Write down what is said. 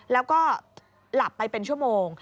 แล้วก็หลับไปเป็นชั่วโมง